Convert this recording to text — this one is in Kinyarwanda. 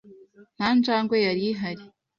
Nta njangwe yari ihari.